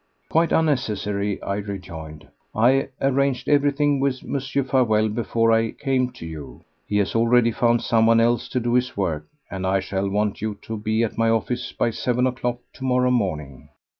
"Quite unnecessary," I rejoined. "I arranged everything with Mr. Farewell before I came to you. He has already found someone else to do his work, and I shall want you to be at my office by seven o'clock to morrow morning.